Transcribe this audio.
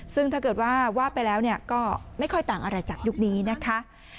ซึ่งถ้าเกิดว่าว่าไปแล้วก็ไม่ค่อยต่างอะไรจากยุคนี้นะคะ